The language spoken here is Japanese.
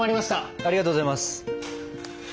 ありがとうございます。